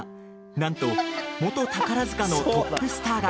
なんと元宝塚のトップスターが。